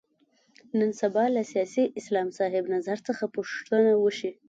نن سبا له سیاسي اسلام صاحب نظر څخه پوښتنه وشي.